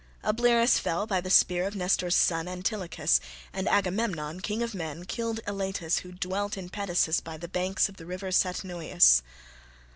Ablerus fell by the spear of Nestor's son Antilochus, and Agamemnon, king of men, killed Elatus who dwelt in Pedasus by the banks of the river Satnioeis.